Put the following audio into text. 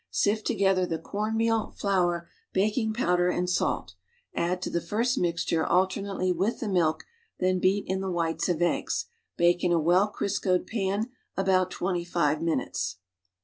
Sift to gether the corn meal. Hour, baking powder and salt, add to the first mixture alternately with the milk, then beat in the whites of eggs. Bake in a well Criscoed pan about twenty five minutes.